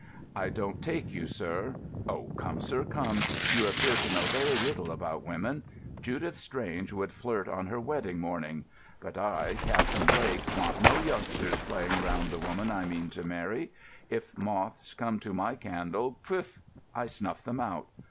"I don't take you, sir." "Oh, come, sir, come. You appear to know very little about women. Judith Strange would flirt on her wedding morning. But I, Captain Blake, want no youngsters playing round the woman I mean to marry. If moths come to my candle, pff, I snuff them out.